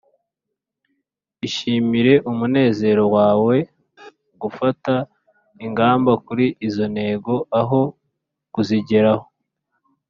ishimire umunezero wawe gufata ingamba kuri izo ntego, aho kuzigeraho.